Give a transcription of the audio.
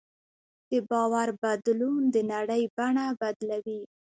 د باور بدلون د نړۍ بڼه بدلوي.